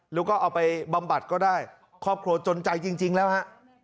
แล้วก็เอาไปบำบัดก็ได้ครอบครัวจนใจจริงแล้วฮะ